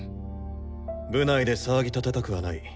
部内で騒ぎ立てたくはない。